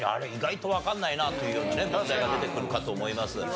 意外とわかんないなというような問題が出てくるかと思います。